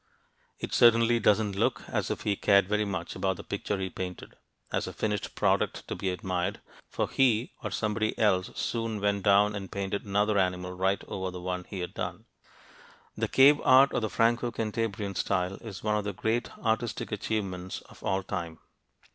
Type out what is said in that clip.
It certainly doesn't look as if he cared very much about the picture he painted as a finished product to be admired for he or somebody else soon went down and painted another animal right over the one he had done. The cave art of the Franco Cantabrian style is one of the great artistic achievements of all time.